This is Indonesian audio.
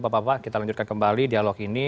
bapak bapak kita lanjutkan kembali dialog ini